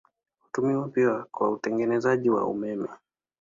Hutumiwa pia kwa utengenezaji wa umeme.